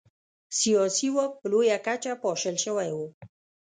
سیاسي واک په لویه کچه پاشل شوی و.